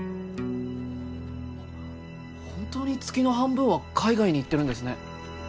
本当に月の半分は海外に行ってるんですね。